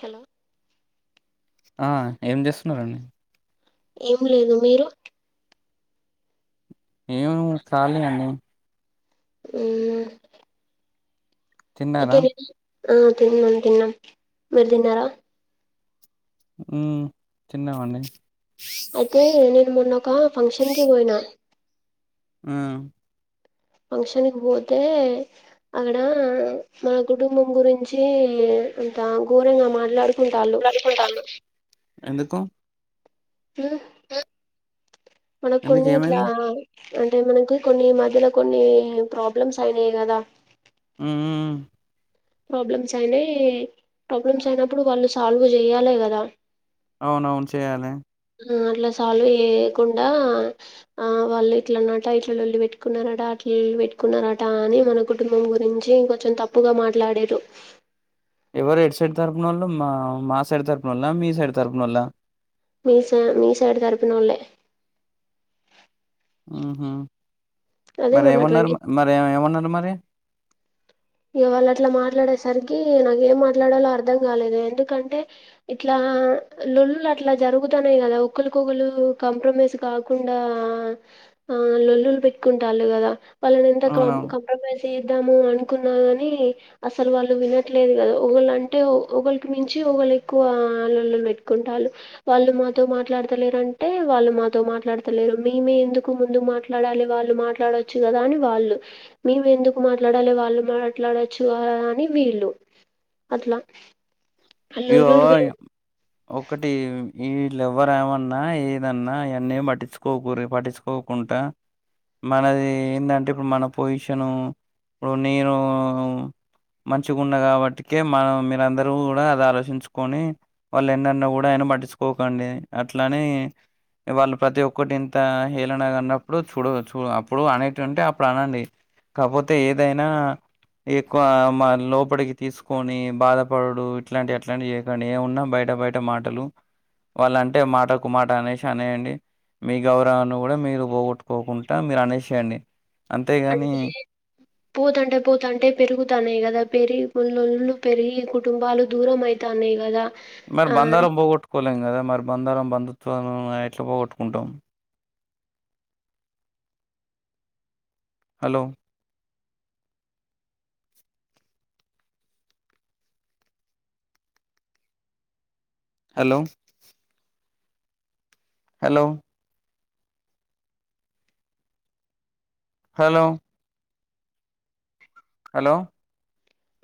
Hello ఆ ఏం చేస్తున్నరండి ఏం లేదు మీరు ఎం మో చలిగండి ఎ తిన్నారా ఎక్కడికి అ తిన్నామ్ తిన్నాం మరు తిన్నారా ఉ తినవా నువు అయితే నేను మొన్న ఒక ఫంక్షన్ కి పోయిన ఆ ఫంక్షన్కి పోతే అక్కడ మన కుటుంబం గురించి అంత ఘోరంగా మాట్లాడు ఎందుకు మనకు ఎందుకు కొన్ని ఇట్లా ఏమైంది అంటే మనకి కొన్ని మధ్యలో కొన్ని ప్రాబ్లమ్స్ అయినాయి గదా ఊ ఊ ఊ ప్రాబ్లమ్స్ అయినాయ్ ప్రాబ్లమ్స్ అయినప్పుడు వాళ్ళు సాల్వ్ చేయాలె కదా అవునవును చెయాలె ఆ అట్లా సాల్వ్ ఏయకుండా ఆ వాళ్ళు ఇట్లన్నట ఇట్లా లొల్లి పెట్టుకున్నారట అట్లా లొల్లి పెట్టుకున్నారట అని మన కుటుంబం గురించి ఇంగ కొంచెం తప్పుగా మాట్లాడిరు ఎవరు ఎటు సైడ్ తరపునోళ్ళు మా మా సైడ్ తరపునోళ్ళ మీ సైడ్ తరపునోళ్ళ మీస మీసైడ్ తరపునోల్లే ఆహా అదే మరి మొన్న ట్వంటీ ఏమన్నారు మరి ఏమన్నారు మరి ఇగ వాళ్ళు అట్లా మాట్లాడేసరికి నాకేం మాట్లాడాలో అర్ధం కాలేదు ఎందుకంటే ఇట్లా ల్లులు అట్లా జరుగుతున్నాయి కదా ఒకరికొకరు కాంప్రమైజ్ కాకుండా ఆ లొల్లులు పెట్టుకుంటాళ్లు గదా వాళ్ళని ఎంతక్రామ్ అవునవును కంప్రమైజ్ చేద్దాము అనుకున్నా కాని అసలు వాళ్ళు వినట్లేదు కదా ఒకళ్ళంటే ఒకళ్ళకి మించి ఒకళ్ళు ఎక్కువ లొల్లులు పెట్టుకుంటాళ్ళు వాళ్ళు మాతో మాట్లాడతలేరు అంటే వాళ్ళు మాతో మాట్లాడతలేరు. మేమే ఎందుకు ముందు మాట్లా ట్లాడాలి వాళ్ళు మాట్లాడొచ్చు గదా అని వాళ్ళు మేము ఎందుకు మాట్లాడాలి వాళ్ళు మాట్లాడొచ్చు గదా అని వీళ్ళు అట్లా లొల్లులు పె- [unintelligible] ఒకటి ఈ లెవర్ ఏమన్నా ఏదన్నా ఇయన్నేం పట్టించు కోకురి పటించుకోకుంటా మనది ఏందంటే ఇప్పుడు మన పొజిషను ఇప్పుడు నేను మంచిగున్న గాబట్టికే మనం మీరందరు రువ్ కూడా అది ఆలోచించుకొని వాళ్ళు ఎన్నన్నా గూడా ఆయన మట్టిచుకోకండి అట్లానే వాళ్ళు ప్రతి ఒక్కటి ఇంత హేళనగా అన్నప్పుడు చూడు చూ అప్పుడు అనేటివి ఉంటే అప్పుడు అనండి కాకపోతే ఏదైనా ఎక్కువ మన్ లోపటికి తీసుకొని బాధ పడుడు ఇట్లాంటివి అట్లాంటివి జేయకండి ఏ ఉన్నా బయట బయట మాటలు వాళ్ళంటే మాటకు మాట అనేసి అనేయండి మీ గౌరవాన్ని గూడా మీరు పోగొట్టుకోకుంటా మీరు అనేసేయండి అంతేగాని పోతాంటే పోతాంటే పెరుగుతాన్నాయి గదా పెరిగి పుల్లోల్లు పెరిగి కుటుంబాలు దూరం అయి తాన్నాయ్ గదా మరి బందారం పోగొట్టుకోలేం కదా మరి బందారం బంధుత్వాలు ఆ ఎట్లా పోగొట్టుకుంటాం hello hello hello hello hello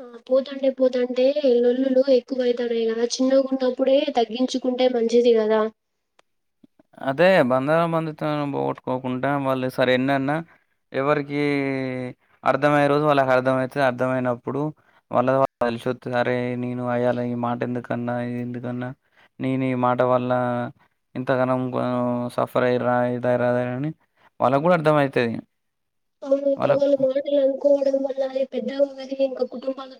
ఆ పోతాంటే పోతాంటే లొల్లులు ఎక్కువైతన్నాయ్ గదా చిన్నగా ఉన్నప్పుడే తగ్గించు కుంటే మంచిది కదా అదే బందారం బందుత్వాలని పోగొట్టుకోకుండా వాళ్ళు సరే ఎన్నన్నా ఎవరికి అర్థమయ్యే రోజు వాళ్ళకి అర్థమయితది అర్థమయినప్పుడు వాళ్ళది వాళ్ళకి తెలిసొత్తది అరే నేను అయ్యాల ఈ మాట ఎందుకన్నా ఇది ఎందుకన్నా నేనీ మాట వల్ల ఎంతగనం గాను సఫర్ అయిరా ఇదైరా అని వాళ్ళ గూడా అర్థ అయితది. అవును ఇంకోగల్ మాటలు అనుకోవడం వల్ల పెద్దరి ఇంకా కుటుంబాలు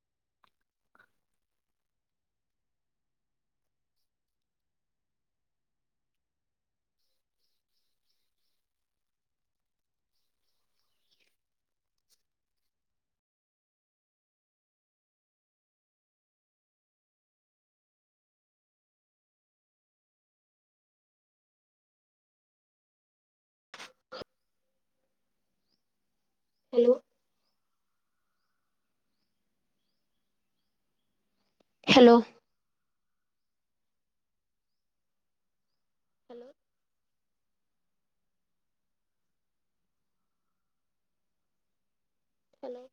హలో హలో హలో